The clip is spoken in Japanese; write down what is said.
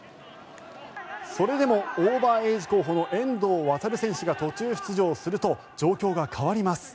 それでもオーバーエイジ候補の遠藤航選手が途中出場すると状況が変わります。